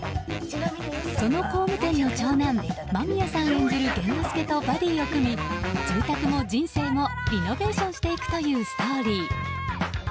その工務店の長男間宮さん演じる玄之介とバディーを組み住宅も人生もリノベーションしていくというストーリー。